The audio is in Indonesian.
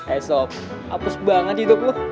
esok apes banget hidup lo